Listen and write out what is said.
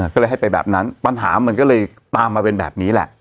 ก็เลยให้ไปแบบนั้นปัญหามันก็เลยตามมาเป็นแบบนี้แหละ